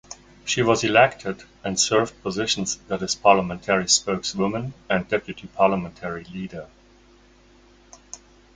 She was elected and served positions that is parliamentary spokeswoman and deputy parliamentary leader.